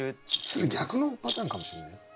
それ逆のパターンかもしれないよ。